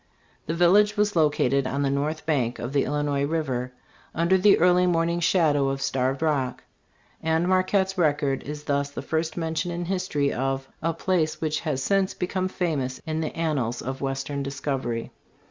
This village was located on the north bank of the Illinois river, under the early morning shadow of Starved Rock; and Marquette's record is thus the first mention in history of " a place which has since become famous in the annals of western discovery."